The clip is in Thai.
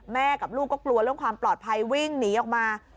กับลูกก็กลัวเรื่องความปลอดภัยวิ่งหนีออกมา